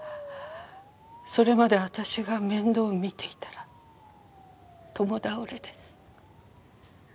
それまで私が面倒見ていたら共倒れです。